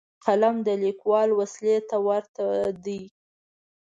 قلم د لیکوال وسلې ته ورته دی